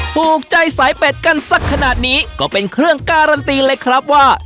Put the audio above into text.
ผูกใจสายเป็ดกันสักขนาดนี้ก็เป็นเครื่องการันตีเลยครับว่า